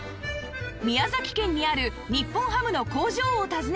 宮崎県にある日本ハムの工場を訪ねました